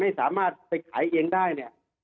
ให้สามารถไปขายเองได้เนี่ย